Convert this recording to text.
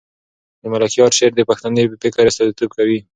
د ملکیار شعر د پښتني فکر استازیتوب کوي.